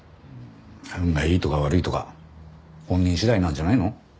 運がいいとか悪いとか本人次第なんじゃないの？